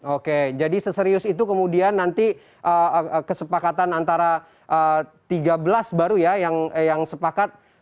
oke jadi seserius itu kemudian nanti kesepakatan antara tiga belas baru ya yang sepakat